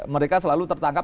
mereka selalu tertangkap